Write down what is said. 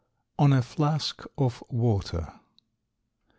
ON A FLASK OF WATER.